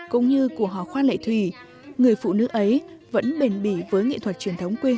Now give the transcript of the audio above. cũng như của họ khoan lệ thủy người phụ nữ ấy vẫn bền bỉ với nghệ thuật truyền thống quê hương